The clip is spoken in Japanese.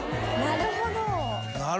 「なるほど」